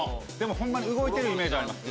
ホンマに動いてるイメージあります。